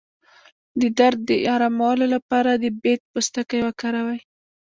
د درد د ارامولو لپاره د بید پوستکی وکاروئ